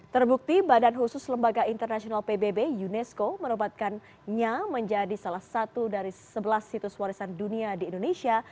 terbukti badan khusus lembaga internasional pbb unesco merobatkannya menjadi salah satu dari sebelas situs warisan dunia di indonesia